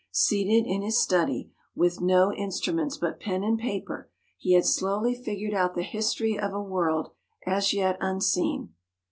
Seated in his study, with no instruments but pen and paper, he had slowly figured out the history of a world as yet unseen.